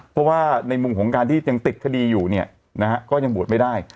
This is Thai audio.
เพราะว่าในมุมของการที่ยังติดคดีอยู่เนี่ยนะฮะก็ยังบวชไม่ได้